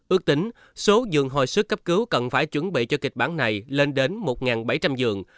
ước tính số giường hồi sức cấp cứu cần phải chuẩn bị cho kịch bản này lên đến một bảy trăm linh giường